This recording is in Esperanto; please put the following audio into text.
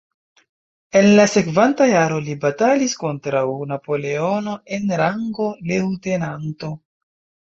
En la sekvanta jaro li batalis kontraŭ Napoleono en rango leŭtenanto.